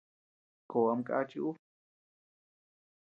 Koʼó ama kàchi uu.